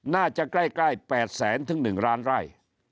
น่าจะใกล้๘แสนถึง๑ล้านไร่